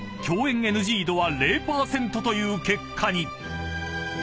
［共演ＮＧ度は０％という結果に］